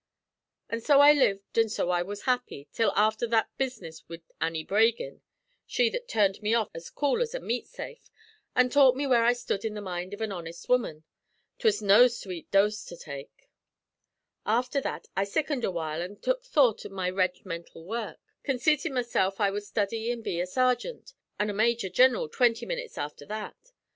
An' so I lived an' so I was happy, till afther that business wid Annie Bragin she that turned me off as cool as a meat safe, an' taught me where I stud in the mind av an honest woman. 'Twas no sweet dose to take. "Afther that I sickened a while an' tuk thought to my reg'mental work, conceiting mesilf I wud study an' be a sargint, an' a major gineral twinty minutes afther that.